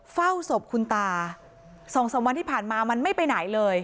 เฝ้าศพคุณตา๒๓วันที่ผ่านมามันไม่ไปไหนเลย